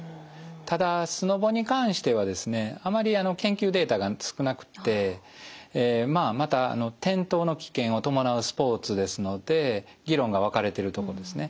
ただスノボに関してはあまり研究データが少なくてまあまた転倒の危険を伴うスポーツですので議論が分かれてるとこですね。